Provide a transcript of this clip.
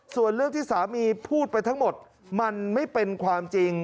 ส่วนเรื่องที่สามีพูดไปทั้งหมดมันไม่เป็นความจริง